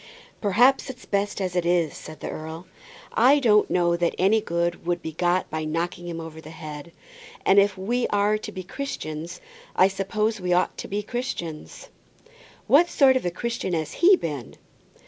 "Perhaps it's best as it is," said the earl. "I don't know that any good would be got by knocking him over the head. And if we are to be Christians, I suppose we ought to be Christians." "What sort of a Christian has he been?"